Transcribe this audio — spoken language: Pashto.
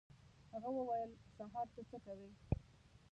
هغه وویل: «سهار ته څه کوې؟»